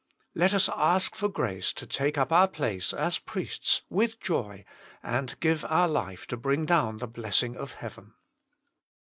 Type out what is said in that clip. Let us ask for grace to take up our place as priests with joy, and give our life to bring down the blessing of heaven.